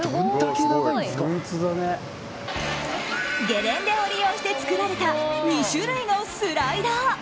ゲレンデを利用して作られた２種類のスライダー。